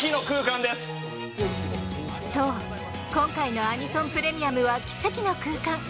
そう今回の「アニソン！プレミアム！」は奇跡の空間。